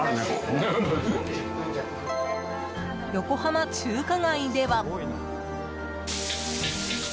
横浜中華街では。